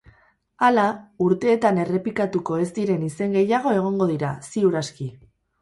Hala, urteetan errepikatuko ez diren izen gehiago egongo dira, ziur aski.